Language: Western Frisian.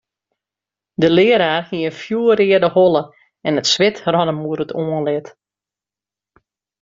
De learaar hie in fjoerreade holle en it swit rûn him oer it antlit.